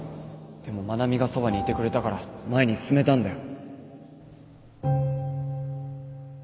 でも愛菜美がそばにいてくれたから前に進めたんだよ